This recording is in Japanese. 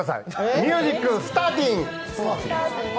ミュージック・スターティン！